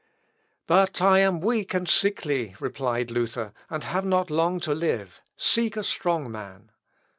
"But I am weak and sickly," replied Luther, "and have not long to live. Seek a strong man."